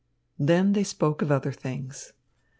Then they spoke of other things.